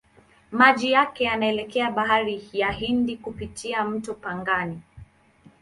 Maji yake yanaelekea Bahari ya Hindi kupitia mto Pangani.